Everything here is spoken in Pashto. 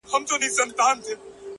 • د ځان وژني د رسۍ خریدارۍ ته ولاړم،